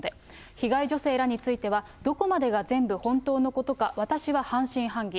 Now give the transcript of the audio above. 被害女性らについては、どこまでが全部本当のことか、私は半信半疑。